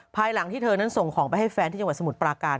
ภายหลังที่เธอนั้นส่งของไปให้แฟนที่จังหวัดสมุทรปราการ